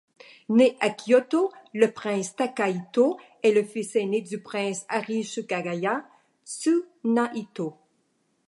Né à Kyoto, le prince Takahito est le fils ainé du prince Arisugawa Tsunahito.